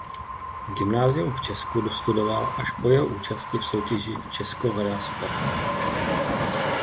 Gymnázium v Česku dostudoval až po jeho účasti v soutěži Česko hledá Superstar.